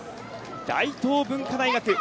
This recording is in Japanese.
大東文化大学。